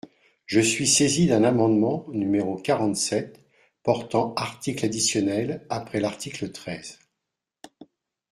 Je suis saisi d’un amendement, numéro quarante-sept, portant article additionnel après l’article treize.